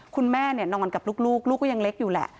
คุณแม่นอนกับลูกลูกก็ยังเล็กอยู่แหละ